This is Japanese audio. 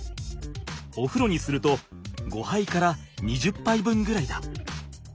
おふろにすると５はいから２０ぱい分ぐらいだ！